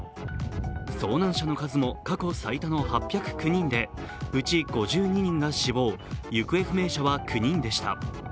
遭難者の数も過去最多の８０９人で、うち５２人が死亡、行方不明者は９人でした。